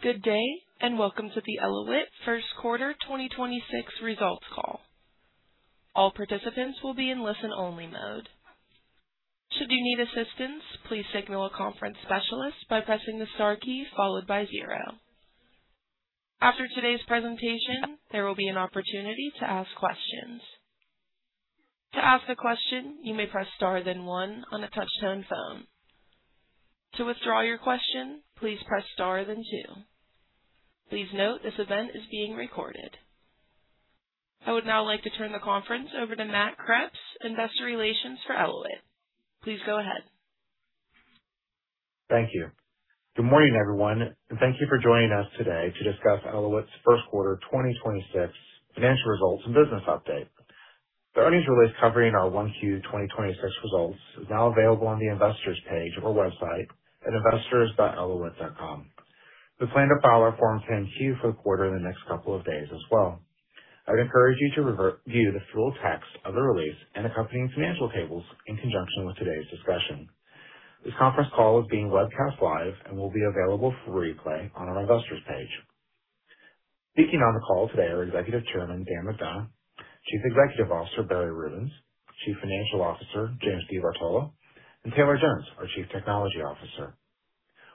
Good day, welcome to the Elauwit First Quarter 2026 Results Call. All participants will be in listen-only mode. Should you need assistance, please signal a conference specialist by pressing the star key followed by zero. After today's presentation, there will be an opportunity to ask questions. To ask a question, you may press star then one on a touch-tone phone. To withdraw your question, please press star then two. Please note this event is being recorded. I would now like to turn the conference over to Matt Kreps, Investor Relations Representative for Elauwit. Please go ahead. Thank you. Good morning, everyone, thank you for joining us today to discuss Elauwit's first quarter 2026 financial results and business update. The earnings release covering our 1Q 2026 results is now available on the investors page of our website at investors.elauwit.com. We plan to file our Form 10-Q for the quarter in the next couple of days as well. I would encourage you to view the full text of the release and accompanying financial tables in conjunction with today's discussion. This conference call is being webcast live and will be available for replay on our investors page. Speaking on the call today are Executive Chairman, Dan McDonough, Chief Executive Officer, Barry Rubens, Chief Financial Officer, James Di Bartolo, and Taylor Jones, our Chief Technology Officer.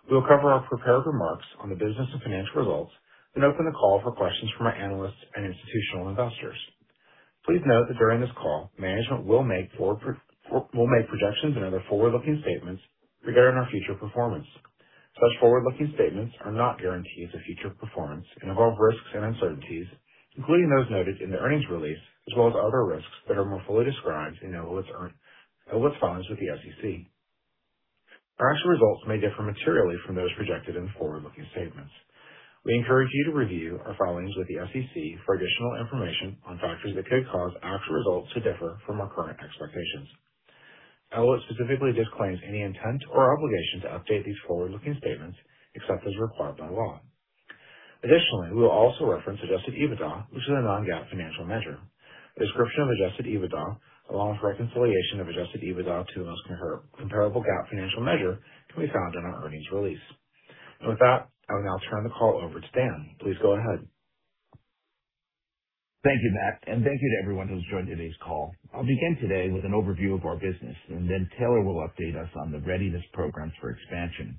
We will cover our prepared remarks on the business and financial results, open the call for questions from our analysts and institutional investors. Please note that during this call, management will make projections and other forward-looking statements regarding our future performance. Such forward-looking statements are not guarantees of future performance and involve risks and uncertainties, including those noted in the earnings release, as well as other risks that are more fully described in Elauwit's filings with the SEC. Our actual results may differ materially from those projected in the forward-looking statements. We encourage you to review our filings with the SEC for additional information on factors that could cause actual results to differ from our current expectations. Elauwit specifically disclaims any intent or obligation to update these forward-looking statements except as required by law. Additionally, we will also reference adjusted EBITDA, which is a non-GAAP financial measure. A description of adjusted EBITDA, along with reconciliation of adjusted EBITDA to the most comparable GAAP financial measure, can be found in our earnings release. With that, I will now turn the call over to Dan McDonough. Please go ahead. Thank you, Matt, and thank you to everyone who's joined today's call. I'll begin today with an overview of our business, and then Taylor will update us on the readiness programs for expansion.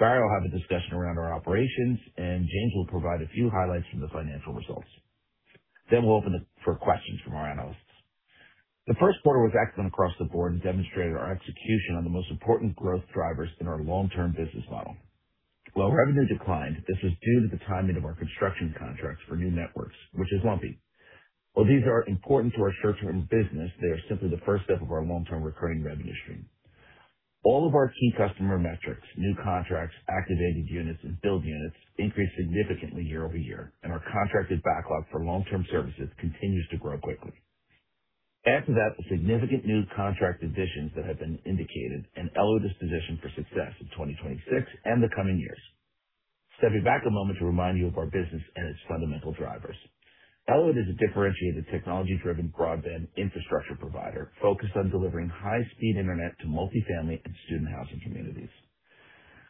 Barry will have a discussion around our operations, and James will provide a few highlights from the financial results. We'll open it for questions from our analysts. The first quarter was excellent across the board and demonstrated our execution on the most important growth drivers in our long-term business model. While revenue declined, this was due to the timing of our construction contracts for new networks, which is lumpy. While these are important to our short-term business, they are simply the first step of our long-term recurring revenue stream. All of our key customer metrics, new contracts, activated units, and build units, increased significantly year-over-year, and our contracted backlog for long-term services continues to grow quickly. Add to that the significant new contract additions that have been indicated and Elauwit is positioned for success in 2026 and the coming years. Stepping back a moment to remind you of our business and its fundamental drivers. Elauwit is a differentiated, technology-driven broadband infrastructure provider focused on delivering high-speed internet to multifamily and student housing communities.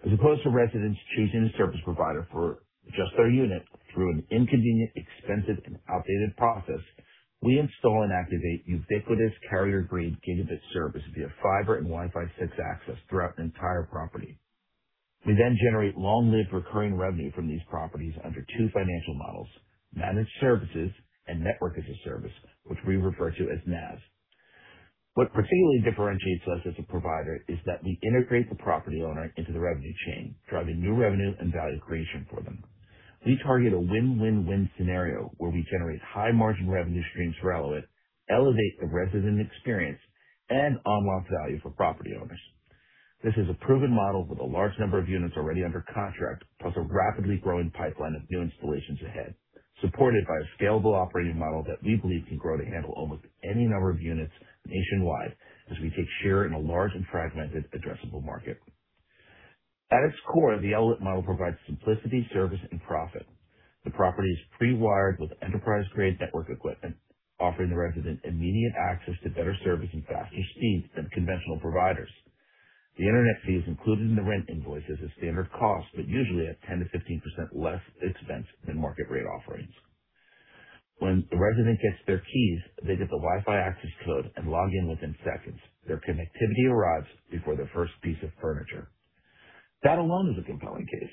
As opposed to residents choosing a service provider for just their unit through an inconvenient, expensive, and outdated process, we install and activate ubiquitous carrier-grade gigabit service via fiber and Wi-Fi 6 access throughout an entire property. We then generate long-lived recurring revenue from these properties under two financial models, managed services and Network as a Service, which we refer to as NaaS. What particularly differentiates us as a provider is that we integrate the property owner into the revenue chain, driving new revenue and value creation for them. We target a win-win-win scenario where we generate high margin revenue streams for Elauwit, elevate the resident experience, and unlock value for property owners. This is a proven model with a large number of units already under contract, plus a rapidly growing pipeline of new installations ahead, supported by a scalable operating model that we believe can grow to handle almost any number of units nationwide as we take share in a large and fragmented addressable market. At its core, the Elauwit model provides simplicity, service, and profit. The property is pre-wired with enterprise-grade network equipment, offering the resident immediate access to better service and faster speeds than conventional providers. The internet fee is included in the rent invoice as a standard cost, but usually at 10%-15% less expense than market rate offerings. When the resident gets their keys, they get the Wi-Fi access code and log in within seconds. Their connectivity arrives before their first piece of furniture. That alone is a compelling case,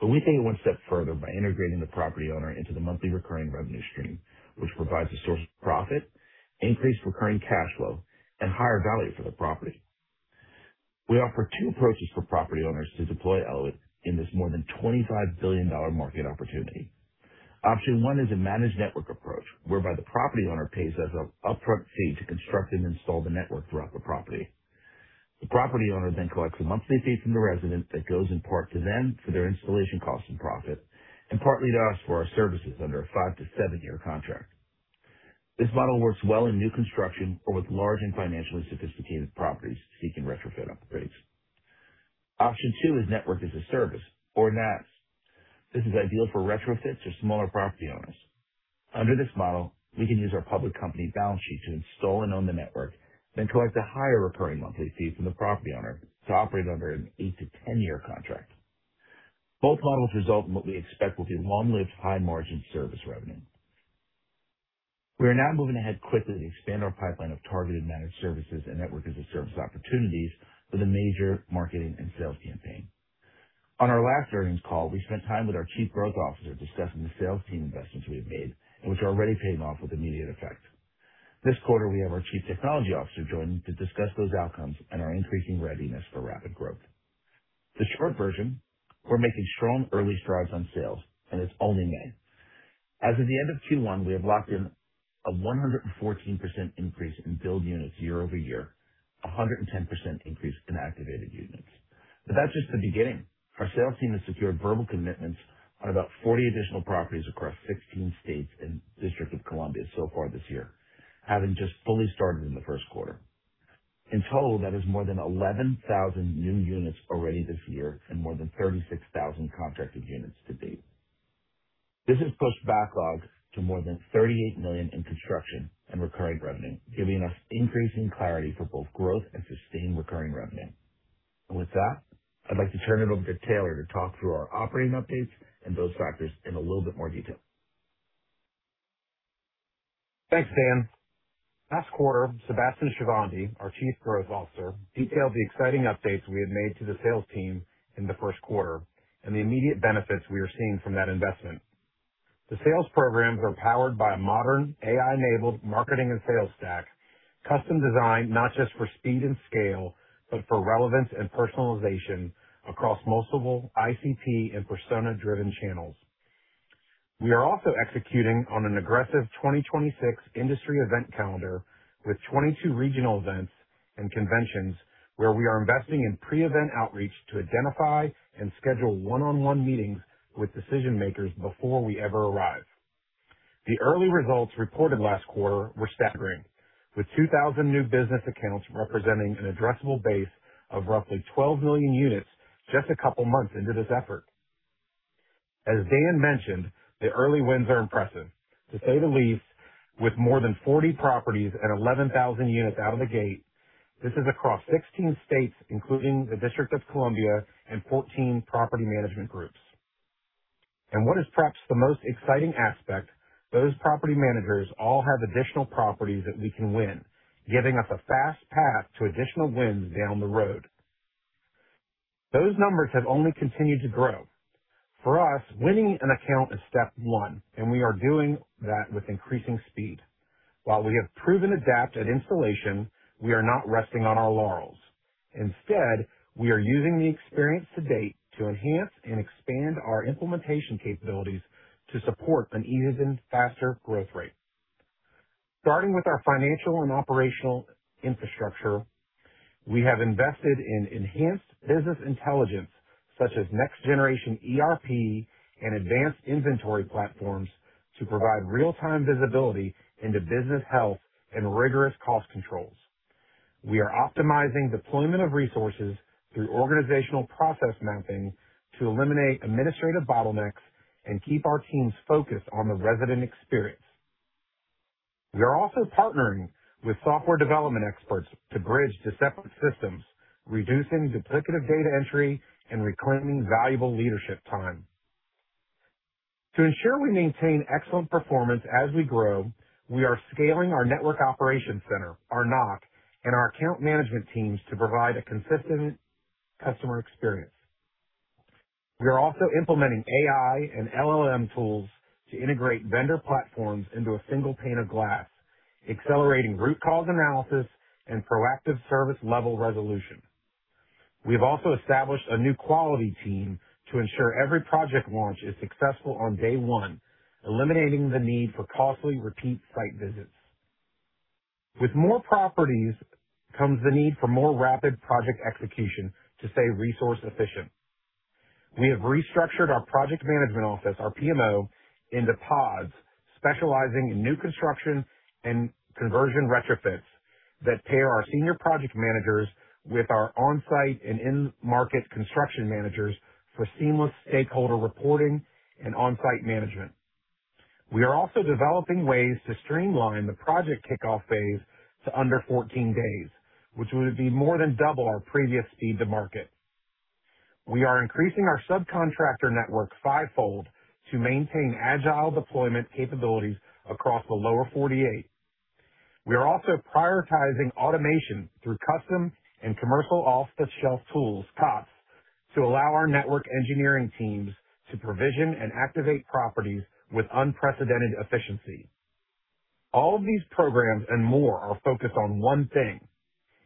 but we take it one step further by integrating the property owner into the monthly recurring revenue stream, which provides a source of profit, increased recurring cash flow, and higher value for the property. We offer two approaches for property owners to deploy Elauwit in this more than $25 billion market opportunity. Option 1 is a managed network approach, whereby the property owner pays us an upfront fee to construct and install the network throughout the property. The property owner then collects a monthly fee from the resident that goes in part to them for their installation cost and profit, and partly to us for our services under a five- to seven-year contract. This model works well in new construction or with large and financially sophisticated properties seeking retrofit upgrades. Option 2 is Network as a Service or NaaS. This is ideal for retrofits or smaller property owners. Under this model, we can use our public company balance sheet to install and own the network, then collect a higher recurring monthly fee from the property owner to operate under an 8-10 year contract. Both models result in what we expect will be long-lived, high-margin service revenue. We are now moving ahead quickly to expand our pipeline of targeted managed services and Network-as-a-Service opportunities with a major marketing and sales campaign. On our last earnings call, we spent time with our Chief Growth Officer discussing the sales team investments we have made and which are already paying off with immediate effect. This quarter, we have our Chief Technology Officer joining to discuss those outcomes and our increasing readiness for rapid growth. The short version, we're making strong early strides on sales, and it's only May. As of the end of Q1, we have locked in a 114% increase in billed units year-over-year, 110% increase in activated units. That's just the beginning. Our sales team has secured verbal commitments on about 40 additional properties across 16 states and District of Columbia so far this year, having just fully started in the first quarter. In total, that is more than 11,000 new units already this year and more than 36,000 contracted units to date. This has pushed backlogs to more than $38 million in construction and recurring revenue, giving us increasing clarity for both growth and sustained recurring revenue. With that, I'd like to turn it over to Taylor Jones to talk through our operating updates and those factors in a little bit more detail. Thanks, Dan. Last quarter, Sebastian Shahvandi, our Chief Growth Officer, detailed the exciting updates we had made to the sales team in the first quarter and the immediate benefits we are seeing from that investment. The sales programs are powered by a modern AI-enabled marketing and sales stack, custom designed not just for speed and scale, but for relevance and personalization across multiple ideal customer profile and persona-driven channels. We are also executing on an aggressive 2026 industry event calendar with 22 regional events and conventions where we are investing in pre-event outreach to identify and schedule one-on-one meetings with decision makers before we ever arrive. The early results reported last quarter were staggering, with 2,000 new business accounts representing an addressable base of roughly 12 million units just a couple of months into this effort. As Dan mentioned, the early wins are impressive, to say the least, with more than 40 properties and 11,000 units out of the gate. This is across 16 states, including the District of Columbia and 14 property management groups. What is perhaps the most exciting aspect, those property managers all have additional properties that we can win, giving us a fast path to additional wins down the road. Those numbers have only continued to grow. For us, winning an account is step one, we are doing that with increasing speed. While we have proven adept at installation, we are not resting on our laurels. Instead, we are using the experience to date to enhance and expand our implementation capabilities to support an even faster growth rate. Starting with our financial and operational infrastructure, we have invested in enhanced business intelligence, such as next generation enterprise resource planning and advanced inventory platforms to provide real-time visibility into business health and rigorous cost controls. We are optimizing deployment of resources through organizational process mapping to eliminate administrative bottlenecks and keep our teams focused on the resident experience. We are also partnering with software development experts to bridge the separate systems, reducing duplicative data entry and reclaiming valuable leadership time. To ensure we maintain excellent performance as we grow, we are scaling our network operations center, our NOC, and our account management teams to provide a consistent customer experience. We are also implementing AI and large language model tools to integrate vendor platforms into a single pane of glass, accelerating root cause analysis and proactive service level resolution. We have also established a new quality team to ensure every project launch is successful on day one, eliminating the need for costly repeat site visits. With more properties comes the need for more rapid project execution to stay resource efficient. We have restructured our project management office, our PMO, into pods specializing in new construction and conversion retrofits that pair our senior project managers with our on-site and in-market construction managers for seamless stakeholder reporting and on-site management. We are also developing ways to streamline the project kickoff phase to under 14 days, which would be more than double our previous speed to market. We are increasing our subcontractor network fivefold to maintain agile deployment capabilities across the lower 48. We are also prioritizing automation through custom and commercial off-the-shelf tools, COTS, to allow our network engineering teams to provision and activate properties with unprecedented efficiency. All of these programs and more are focused on one thing,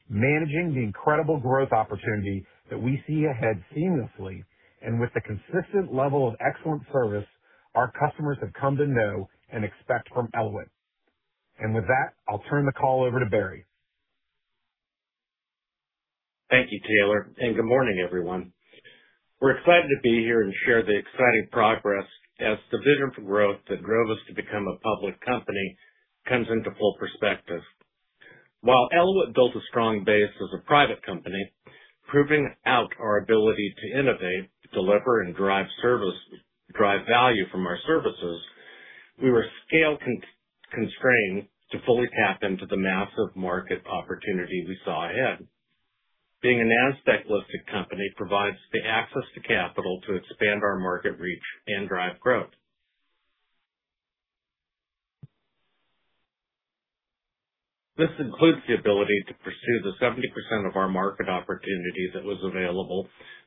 managing the incredible growth opportunity that we see ahead seamlessly and with the consistent level of excellent service our customers have come to know and expect from Elauwit. With that, I'll turn the call over to Barry Rubens. Thank you, Taylor. Good morning, everyone. We're excited to be here and share the exciting progress as the vision for growth that drove us to become a public company comes into full perspective. While Elauwit built a strong base as a private company, proving out our ability to innovate, deliver, and drive value from our services, we were scale-constrained to fully tap into the massive market opportunity we saw ahead. Being a Nasdaq-listed company provides the access to capital to expand our market reach and drive growth. This includes the ability to pursue the 70% of our market opportunity that was available,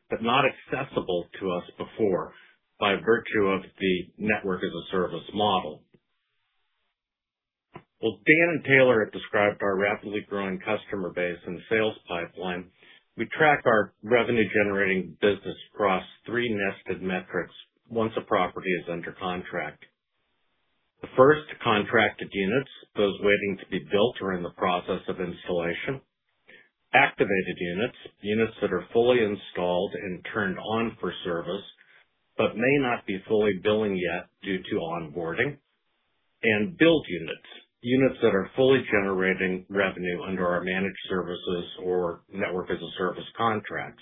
but not accessible to us before, by virtue of the Network as a Service model. While Dan and Taylor have described our rapidly growing customer base and sales pipeline, we track our revenue-generating business across three nested metrics once a property is under contract. The first, contracted units, those waiting to be built or are in the process of installation. Activated units that are fully installed and turned on for service, but may not be fully billing yet due to onboarding. Billed units that are fully generating revenue under our managed services or Network as a Service contracts.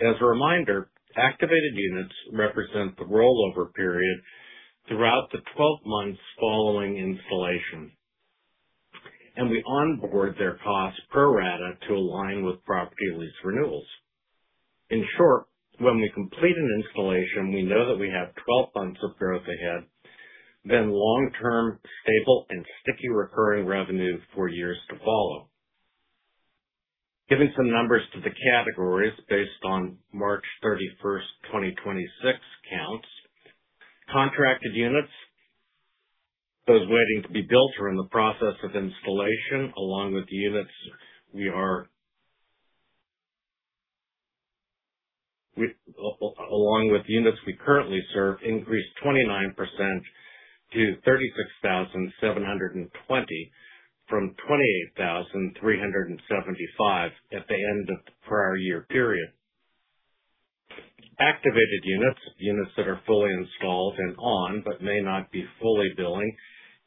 As a reminder, activated units represent the rollover period throughout the 12 months following installation, and we onboard their costs pro rata to align with property lease renewals. In short, when we complete an installation, we know that we have 12 months of growth ahead, then long-term, stable, and sticky recurring revenue for years to follow. Giving some numbers to the categories based on March 31st, 2026, counts. Contracted units, those waiting to be built or are in the process of installation, along with units we currently serve, increased 29% to 36,720 from 28,375 at the end of the prior year period. Activated units that are fully installed and on but may not be fully billing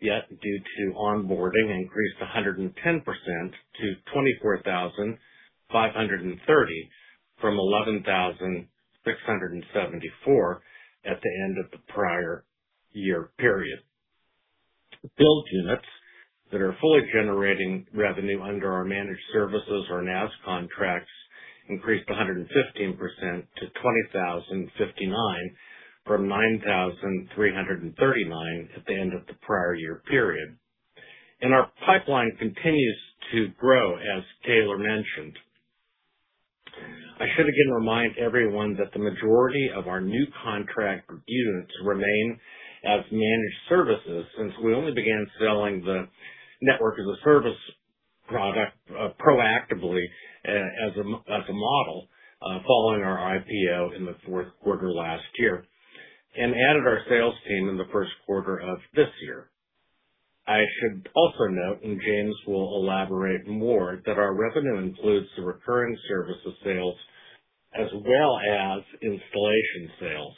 yet due to onboarding, increased 110% to 24,530 from 11,674 at the end of the prior year period. Billed units that are fully generating revenue under our managed services or NaaS contracts increased 115% to 20,059 from 9,339 at the end of the prior year period. Our pipeline continues to grow as Taylor mentioned. I should again remind everyone that the majority of our new contract units remain as managed services, since we only began selling the Network as a Service product proactively as a model following our IPO in the fourth quarter last year. Added our sales team in the first quarter of this year. I should also note, and James will elaborate more, that our revenue includes the recurring services sales as well as installation sales.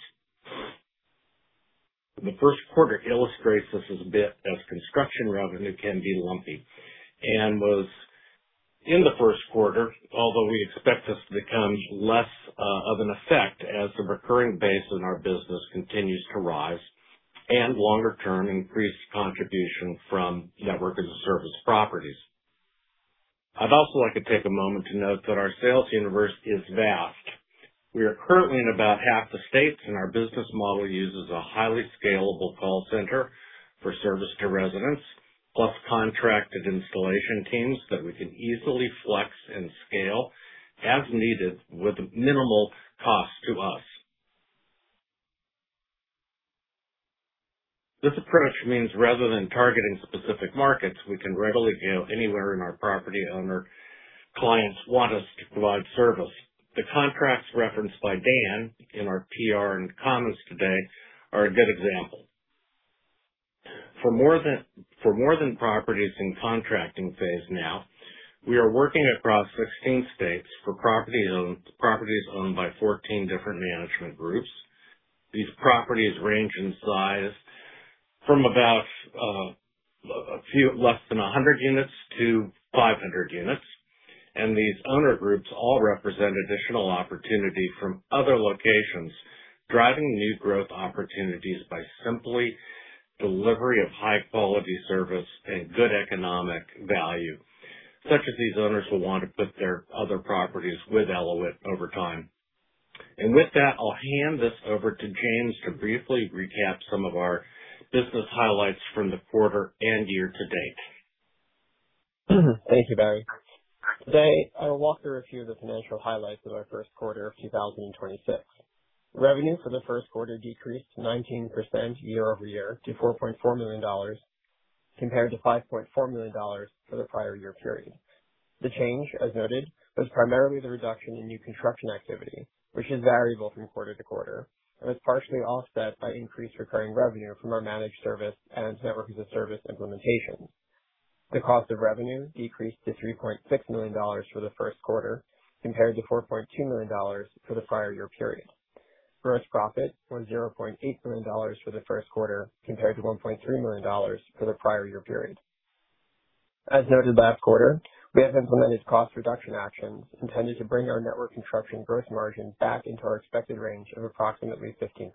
The first quarter illustrates this a bit as construction revenue can be lumpy, and was in the first quarter, although we expect this to become less of an effect as the recurring base in our business continues to rise, and longer-term increased contribution from Network as a Service properties. I'd also like to take a moment to note that our sales universe is vast. We are currently in about half the states, and our business model uses a highly scalable call center for service to residents, plus contracted installation teams that we can easily flex and scale as needed with minimal cost to us. This approach means rather than targeting specific markets, we can readily go anywhere when our property owner clients want us to provide service. The contracts referenced by Dan in our press release and comments today are a good example. For more than properties in contracting phase now, we are working across 16 states for properties owned by 14 different management groups. These properties range in size from about less than 100 units-500 units, and these owner groups all represent additional opportunity from other locations, driving new growth opportunities by simply delivery of high-quality service and good economic value, such that these owners will want to put their other properties with Elauwit over time. With that, I'll hand this over to James to briefly recap some of our business highlights from the quarter and year to date. Thank you, Barry. Today, I'll walk through a few of the financial highlights of our first quarter of 2026. Revenue for the first quarter decreased 19% year-over-year to $4.4 million, compared to $5.4 million for the prior year period. The change, as noted, was primarily the reduction in new construction activity, which is variable from quarter-to-quarter, and was partially offset by increased recurring revenue from our managed service and Network as a Service implementation. The cost of revenue decreased to $3.6 million for the first quarter, compared to $4.2 million for the prior year period. Gross profit was $0.8 million for the first quarter, compared to $1.3 million for the prior year period. As noted last quarter, we have implemented cost reduction actions intended to bring our network construction gross margin back into our expected range of approximately 15%.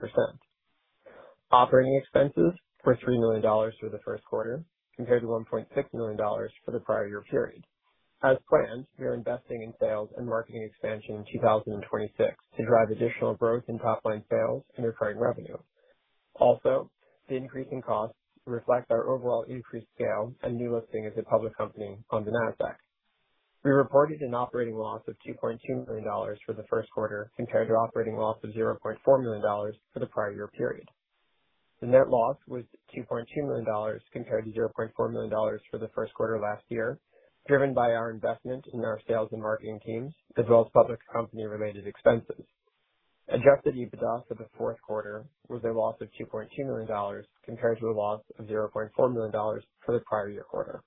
Operating expenses were $3 million for the first quarter, compared to $1.6 million for the prior year period. As planned, we are investing in sales and marketing expansion in 2026 to drive additional growth in top-line sales and recurring revenue. The increase in costs reflect our overall increased scale and new listing as a public company on the Nasdaq. We reported an operating loss of $2.2 million for the first quarter, compared to operating loss of $0.4 million for the prior year period. The net loss was $2.2 million, compared to $0.4 million for the first quarter last year, driven by our investment in our sales and marketing teams, as well as public company-related expenses. Adjusted EBITDA for the fourth quarter was a loss of $2.2 million, compared to a loss of $0.4 million for the prior year quarter.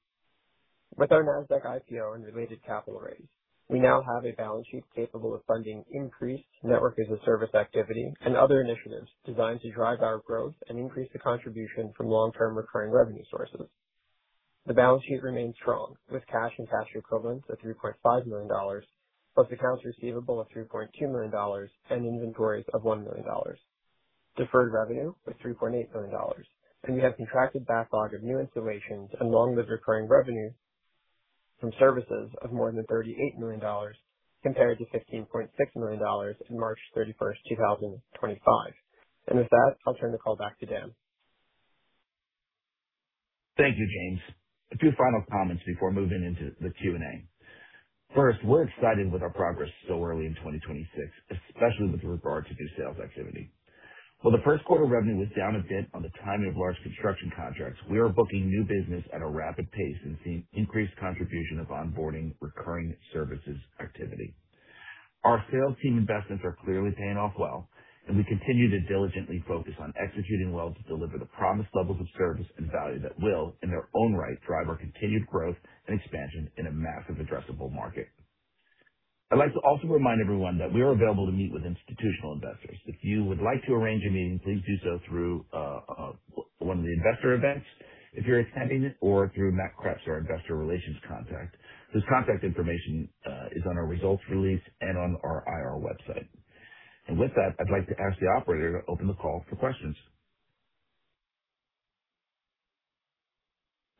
With our Nasdaq IPO and related capital raise, we now have a balance sheet capable of funding increased network as a service activity and other initiatives designed to drive our growth and increase the contribution from long-term recurring revenue sources. The balance sheet remains strong with cash and cash equivalents of $3.5 million plus accounts receivable of $3.2 million and inventories of $1 million. Deferred revenue was $3.8 million, and we have contracted backlog of new installations along with recurring revenue from services of more than $38 million, compared to $15.6 million in March 31st, 2025. With that, I'll turn the call back to Dan. Thank you, James. A few final comments before moving into the Q&A. First, we're excited with our progress so early in 2026, especially with regard to new sales activity. While the first quarter revenue was down a bit on the timing of large construction contracts, we are booking new business at a rapid pace and seeing increased contribution of onboarding recurring services activity. Our sales team investments are clearly paying off well, and we continue to diligently focus on executing well to deliver the promised levels of service and value that will, in their own right, drive our continued growth and expansion in a massive addressable market. I'd like to also remind everyone that we are available to meet with institutional investors. If you would like to arrange a meeting, please do so through one of the investor events, if you're attending it, or through Matt Kreps, our investor relations contact. His contact information is on our results release and on our IR website. With that, I'd like to ask the operator to open the call for questions.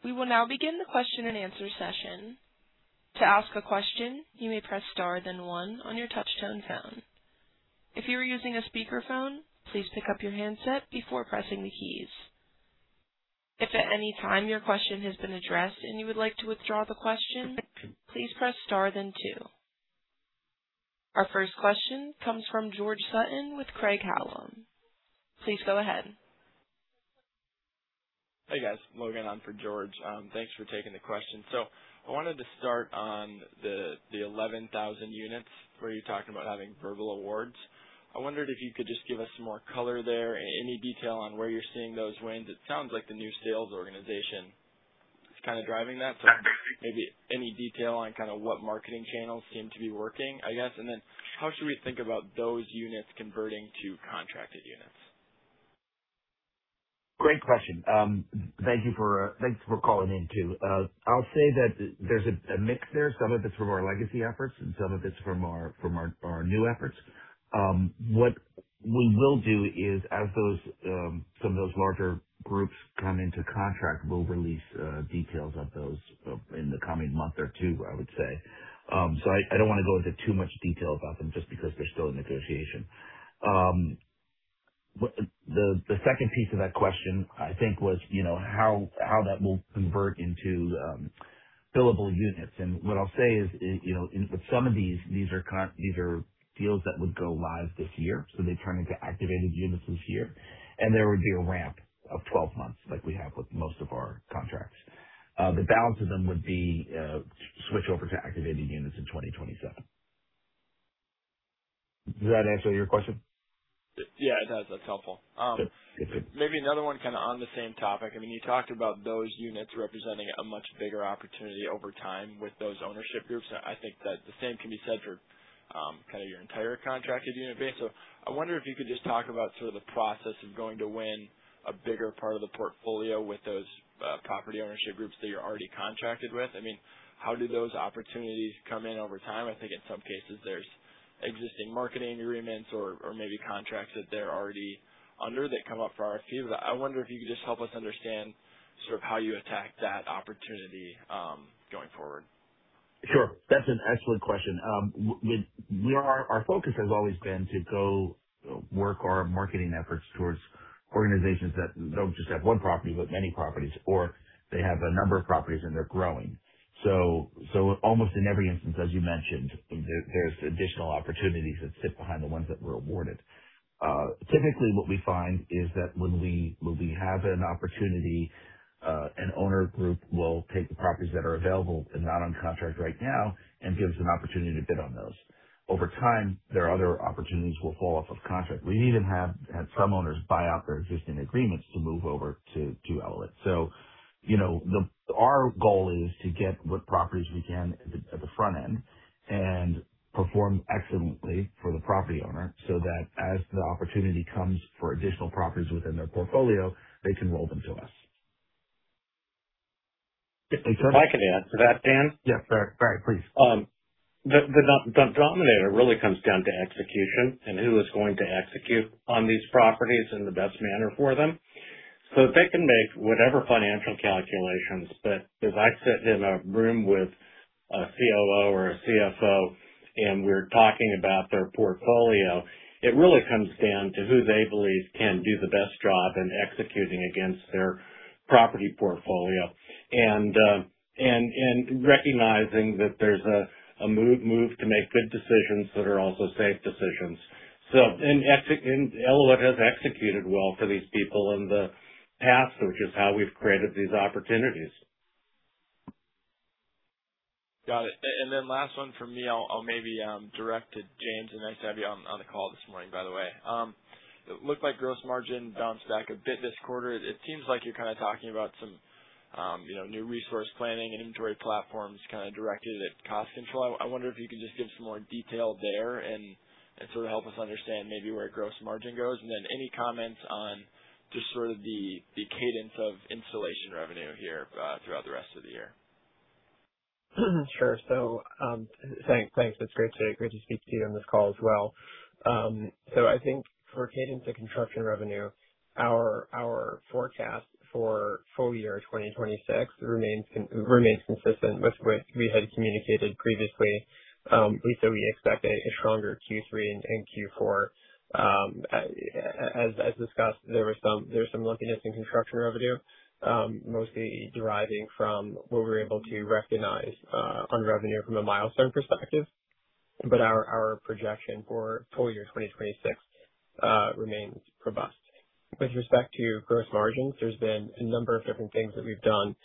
We will now begin the question and answer session. To ask a question, you may press star then one on your touchtone phone. If you are using a speakerphone, please pick up your handset before pressing the keys. If at any time your question has been addressed and you would like to withdraw the question, please press star then two. Our first question comes from George Sutton with Craig-Hallum. Please go ahead. Hey, guys. Logan Lillehaug on for George. Thanks for taking the question. I wanted to start on the 11,000 units where you talked about having verbal awards. I wondered if you could just give us some more color there. Any detail on where you're seeing those wins? It sounds like the new sales organization is kind of driving that. Maybe any detail on what marketing channels seem to be working, I guess? How should we think about those units converting to contracted units? Great question. Thank you for calling in too. I'll say that there's a mix there. Some of it's from our legacy efforts, and some of it's from our new efforts. What we will do is, as some of those larger groups come into contract, we'll release details of those in the coming month or two, I would say. I don't want to go into too much detail about them just because they're still in negotiation. The second piece of that question, I think was, how that will convert into billable units. What I'll say is, with some of these are deals that would go live this year, so they turn into activated units this year. There would be a ramp of 12 months like we have with most of our contracts. The balance of them would be switched over to activated units in 2027. Does that answer your question? Yeah, it does. That's helpful. Good. Maybe another one kind of on the same topic. You talked about those units representing a much bigger opportunity over time with those ownership groups. I think that the same can be said for your entire contracted unit base. I wonder if you could just talk about sort of the process of going to win a bigger part of the portfolio with those property ownership groups that you're already contracted with. How do those opportunities come in over time? I think in some cases there's existing marketing agreements or maybe contracts that they're already under that come up for request for proposal. I wonder if you could just help us understand how you attack that opportunity going forward? Sure. That's an excellent question. Our focus has always been to go work our marketing efforts towards organizations that don't just have one property, but many properties, or they have a number of properties and they're growing. Almost in every instance, as you mentioned, there's additional opportunities that sit behind the ones that were awarded. Typically, what we find is that when we have an opportunity, an owner group will take the properties that are available and not on contract right now and give us an opportunity to bid on those. Over time, their other opportunities will fall off of contract. We even have had some owners buy out their existing agreements to move over to Elauwit. Our goal is to get what properties we can at the front end and perform excellently for the property owner so that as the opportunity comes for additional properties within their portfolio, they can roll them to us. If I can add to that, Dan? Yes, Barry, please. The denominator really comes down to execution and who is going to execute on these properties in the best manner for them. They can make whatever financial calculations, but as I sit in a room with a COO or a CFO and we're talking about their portfolio, it really comes down to who they believe can do the best job in executing against their property portfolio. Recognizing that there's a move to make good decisions that are also safe decisions. Elauwit has executed well for these people in the past, which is how we've created these opportunities. Got it. Last one from me, I'll maybe direct to James. Nice to have you on the call this morning, by the way. It looked like gross margin bounced back a bit this quarter. It seems like you're kind of talking about some new resource planning and inventory platforms kind of directed at cost control. I wonder if you could just give some more detail there and sort of help us understand maybe where gross margin goes, then any comments on just sort of the cadence of installation revenue here, throughout the rest of the year. Sure. Thanks. It's great to speak to you on this call as well. I think for cadence and construction revenue, our forecast for full year 2026 remains consistent with what we had communicated previously. We expect a stronger Q3 and Q4. As discussed, there was some lumpiness in construction revenue, mostly deriving from what we were able to recognize on revenue from a milestone perspective. Our projection for full year 2026 remains robust. With respect to gross margins, there's been a number of different things that we've done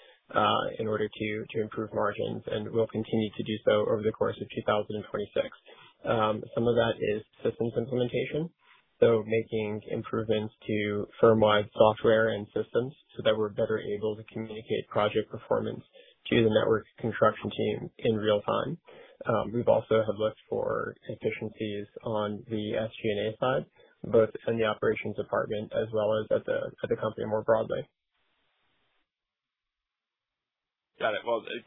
in order to improve margins, and we'll continue to do so over the course of 2026. Some of that is systems implementation, so making improvements to firm-wide software and systems so that we're better able to communicate project performance to the network construction team in real time. We've also looked for efficiencies on the SG&A side, both in the operations department as well as at the company more broadly. Got it.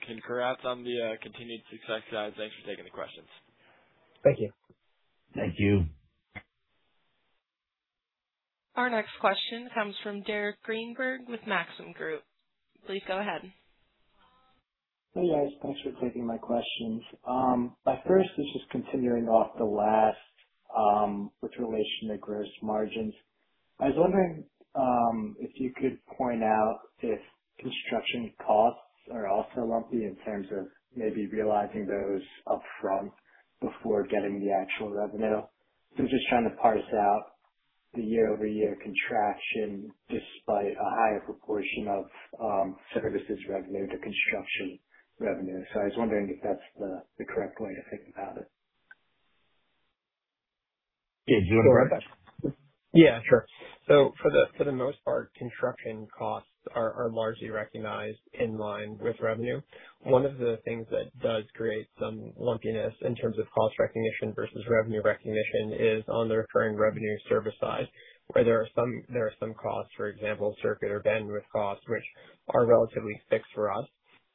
Congrats on the continued success, guys. Thanks for taking the questions. Thank you. Thank you. Our next question comes from Derek Greenberg with Maxim Group. Please go ahead. Hey, guys. Thanks for taking my questions. My first is just continuing off the last, with relation to gross margins. I was wondering if you could point out if construction costs are also lumpy in terms of maybe realizing those upfront before getting the actual revenue. I'm just trying to parse out the year-over-year contraction despite a higher proportion of services revenue to construction revenue. I was wondering if that's the correct way to think about it. Yeah. Sure. Yeah, sure. For the most part, construction costs are largely recognized in line with revenue. One of the things that does create some lumpiness in terms of cost recognition versus revenue recognition is on the recurring revenue service side, where there are some costs, for example, circuit or bandwidth costs, which are relatively fixed for us,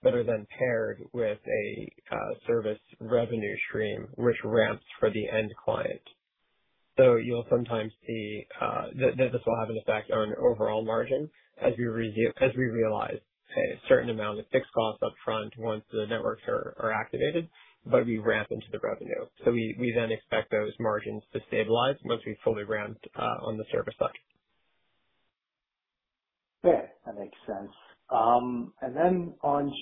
that are then paired with a service revenue stream which ramps for the end client. You'll sometimes see that this will have an effect on overall margin as we realize a certain amount of fixed costs upfront once the networks are activated, but we ramp into the revenue. We then expect those margins to stabilize once we fully ramp on the service side. Okay. That makes sense. On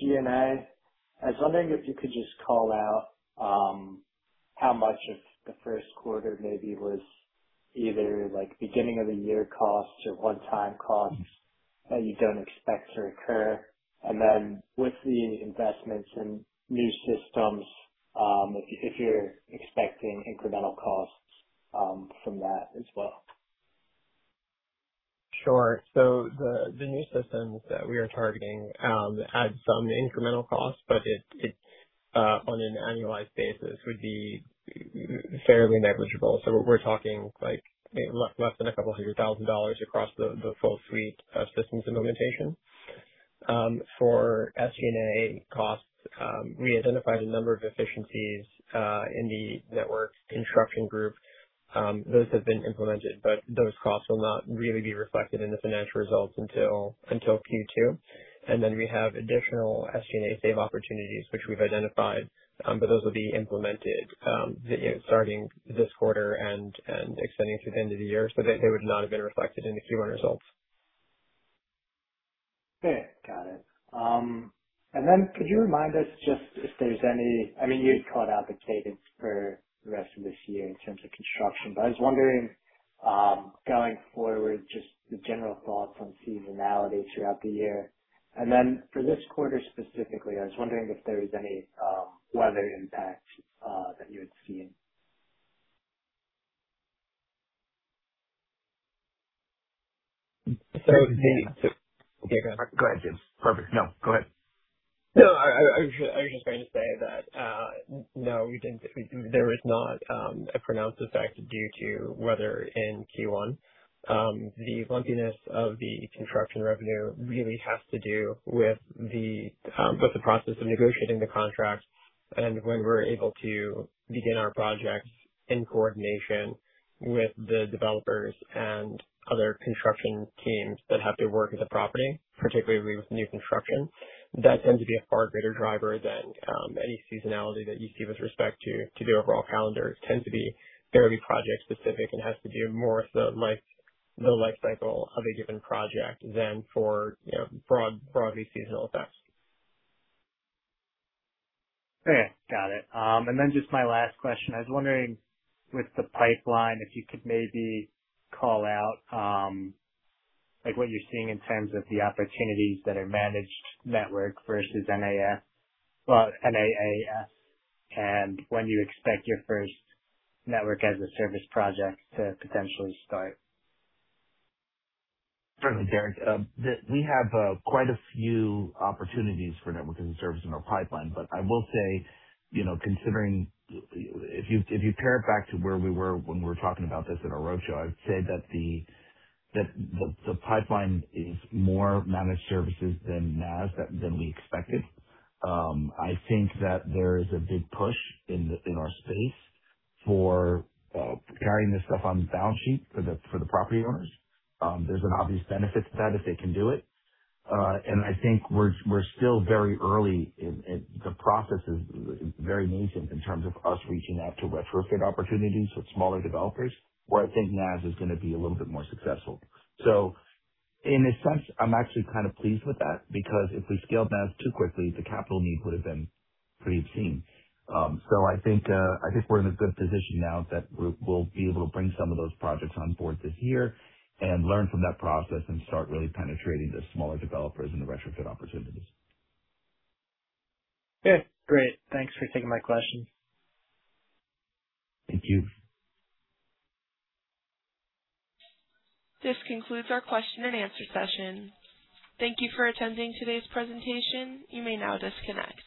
G&A, I was wondering if you could just call out how much of the first quarter maybe was either beginning of the year costs or one-time costs that you don't expect to recur? And then with the investments in new systems, if you're expecting incremental costs from that as well. Sure. The new systems that we are targeting add some incremental costs, but on an annualized basis, would be fairly negligible. We're talking less than a couple hundred thousand dollars across the full suite of systems implementation. For SG&A costs, we identified a number of efficiencies in the network construction group. Those have been implemented, but those costs will not really be reflected in the financial results until Q2. We have additional SG&A save opportunities, which we've identified, but those will be implemented starting this quarter and extending through the end of the year. They would not have been reflected in the Q1 results. Okay. Got it. Could you remind us just if there's any, I mean, you had called out the cadence for the rest of this year in terms of construction, I was wondering, going forward, just the general thoughts on seasonality throughout the year. For this quarter specifically, I was wondering if there was any weather impact that you had seen. So the. Okay, go ahead. Go ahead, James. Perfect. No, go ahead. No, I was just going to say that, no, there was not a pronounced effect due to weather in Q1. The lumpiness of the construction revenue really has to do with the process of negotiating the contracts and when we're able to begin our projects in coordination with the developers and other construction teams that have to work at the property, particularly with new construction. That tends to be a far greater driver than any seasonality that you see with respect to the overall calendar. It tends to be fairly project specific and has to do more so with the life cycle of a given project than for broadly seasonal effects. Okay. Got it. Then just my last question. I was wondering with the pipeline, if you could maybe call out what you're seeing in terms of the opportunities that are managed network versus NaaS. When you expect your first Network as a Service project to potentially start. Certainly, Derek. We have quite a few opportunities for Network as a Service in our pipeline. I will say, considering if you pair it back to where we were when we were talking about this in our roadshow, I would say that the pipeline is more managed services than NaaS than we expected. I think that there is a big push in our space for carrying this stuff on the balance sheet for the property owners. There's an obvious benefit to that if they can do it. I think we're still very early the process is very nascent in terms of us reaching out to retrofit opportunities with smaller developers, where I think NaaS is going to be a little bit more successful. In a sense, I'm actually kind of pleased with that, because if we scaled NaaS too quickly, the capital need would have been pretty obscene. I think we're in a good position now that we'll be able to bring some of those projects on board this year and learn from that process and start really penetrating the smaller developers and the retrofit opportunities. Yeah. Great. Thanks for taking my question. Thank you. This concludes our question and answer session. Thank you for attending today's presentation. You may now disconnect.